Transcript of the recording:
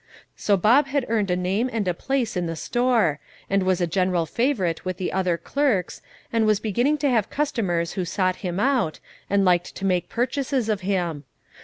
So Bob had earned a name and a place in the store, and was a general favourite with the other clerks, and was beginning to have customers who sought him out, and liked to make purchases of him.